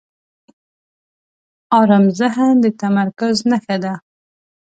آرام ذهن د تمرکز نښه ده.